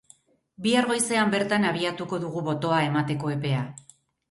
Bihar goizean bertan, abiatuko dugu botoa emateko epea.